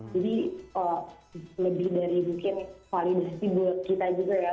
jadi lebih dari mungkin validasi buat kita juga ya